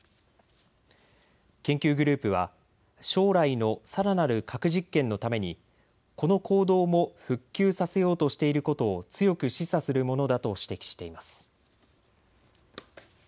研究グループは将来のさらなる核実験のためにこの坑道も復旧させようとしていることを強く示唆するものだと指摘しています。